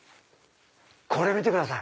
これ見てください。